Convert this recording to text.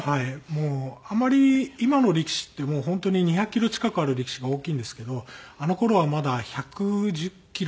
もうあまり今の力士って本当に２００キロ近くある力士が大きいんですけどあの頃はまだ１１０キロ。